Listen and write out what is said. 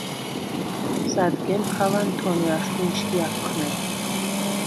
სადგემ ქა ლანთონე აშხვ ნიშგე აფხნეგდ: